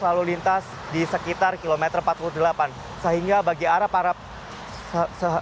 kedua kendaraan telah meninggalkan jakarta cikampek